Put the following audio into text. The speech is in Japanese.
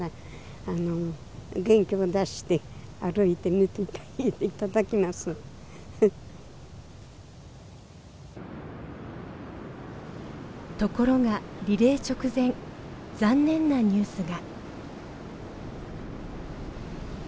皆さんところがリレー直前残念なニュースが。